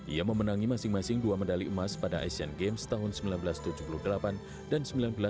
ia memenangi masing masing dua medali emas pada asian games tahun seribu sembilan ratus tujuh puluh delapan dan seribu sembilan ratus sembilan puluh